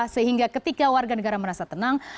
sehingga ketika warga negara merasa tenang